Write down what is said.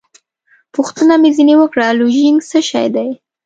پوښتنه مې ځینې وکړه: لوژینګ څه شی دی؟